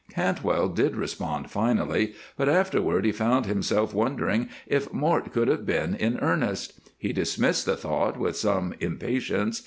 Cantwell did respond finally, but afterward he found himself wondering if Mort could have been in earnest. He dismissed the thought with some impatience.